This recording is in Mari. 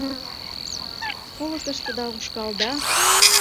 Олыкыштыда ушкалда